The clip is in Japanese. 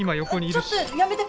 あっちょっとやめて。